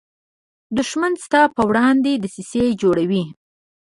دښمن ستا پر وړاندې دسیسې جوړوي